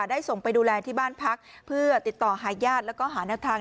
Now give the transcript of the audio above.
ได้ส่งไปดูแลที่บ้านพักเพื่อติดต่อหายาทและหานักทาง